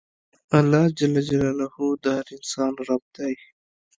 اللهﷻ د هر انسان رب دی.